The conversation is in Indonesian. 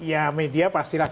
ya media pastilah